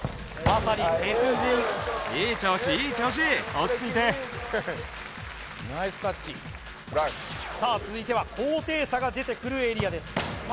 まさに鉄人さあ続いては高低差が出てくるエリアです